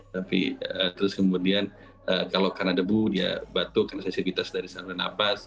tapi terus kemudian kalau karena debu dia batuk karena sensitivitas dari sana napas